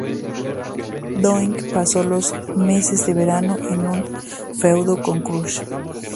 Doink pasó los meses de verano en un feudo con Crush.